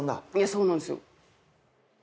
そうなんですよ。